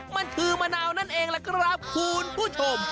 มันคือมะนาวนั่นเองล่ะครับคุณผู้ชม